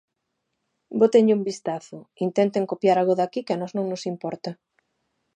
Bótenlle un vistazo, intenten copiar algo de aquí, que a nós non nos importa.